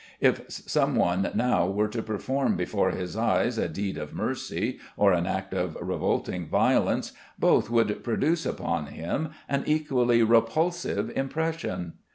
If someone now were to perform before his eyes a deed of mercy or an act of revolting violence, both would produce upon him an equally repulsive impression.